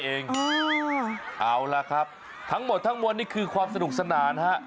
เอาล่ะครับทั้งหมดทั้งมวลนี่คือความสนุกสนานฮะ